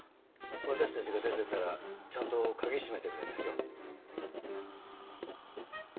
私たちが出てったらちゃんと鍵閉めてくださいよ。